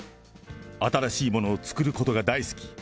新しいものを作ることが大好き。